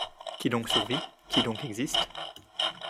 Qui donc survit ? qui donc existe ?